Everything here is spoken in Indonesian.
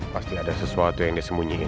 pasti ada sesuatu yang disembunyiin